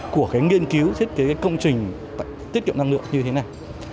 của cái nghiên cứu thiết kế cái công trình tiết kiệm năng lượng như thế này